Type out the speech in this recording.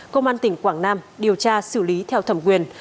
công an tỉnh quảng nam điều tra xử lý theo thẩm quyền